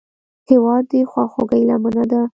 هېواد د خواخوږۍ لمنه ده.